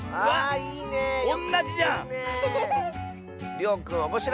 りょうくんおもしろいはっけん